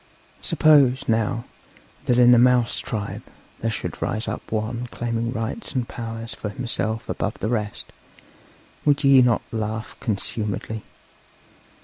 Suppose, now, that in the mouse tribe there should rise up one claiming rights and powers for himself above the rest, would ye not laugh consumedly?